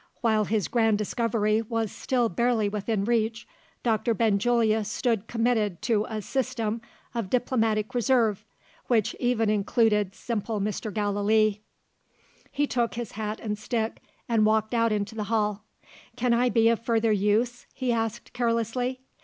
While his grand discovery was still barely within reach, Doctor Benjulia stood committed to a system of diplomatic reserve, which even included simple Mr. Gallilee. He took his hat and stick, and walked out into the hall. "Can I be of further use?" he asked carelessly.